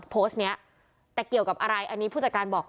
โพสต์นี้แต่เกี่ยวกับอะไรอันนี้ผู้จัดการบอก